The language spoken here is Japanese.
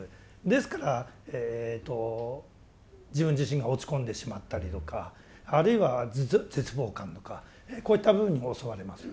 ですから自分自身が落ち込んでしまったりとかあるいは絶望感とかこういった部分に襲われます。